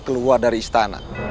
keluar dari istana